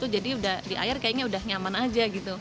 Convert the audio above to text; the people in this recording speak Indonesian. jadi di air sudah nyaman saja